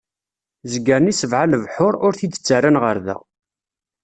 Zegren i sebɛa lebḥur, ur t-id-ttarran ɣer da.